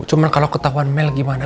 cuma kalau ketahuan mel gimana